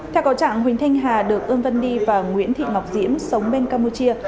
theo cầu trạng huỳnh thanh hà được ương vân đi và nguyễn thị ngọc diễm sống bên campuchia